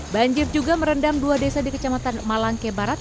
banjir juga merendam dua desa di kecamatan malangke barat